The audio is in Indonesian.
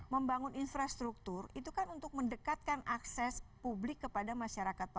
membangun infrastruktur itu kan untuk mendekatkan akses publik kepada masyarakat papua